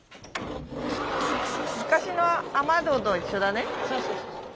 昔の雨戸と一緒だね。